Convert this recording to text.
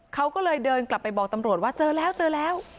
เขาก็เลยเดินกลับไปบอกตำรวจว่าเจอแล้วเจอแล้ว